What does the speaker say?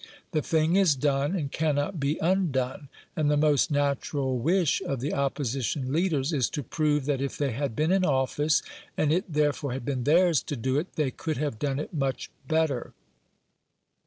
The thing is done and cannot be undone, and the most natural wish of the Opposition leaders is to prove that if they had been in office, and it therefore had been theirs to do it, they could have done it much better.